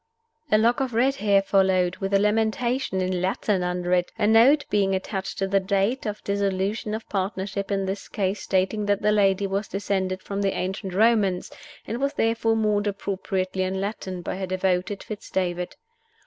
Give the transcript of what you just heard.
A lock of red hair followed, with a lamentation in Latin under it, a note being attached to the date of dissolution of partnership in this case, stating that the lady was descended from the ancient Romans, and was therefore mourned appropriately in Latin by her devoted Fitz David.